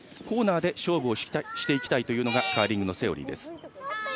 コーナーで勝負をしていきたいというのがカーリングのセオリーです。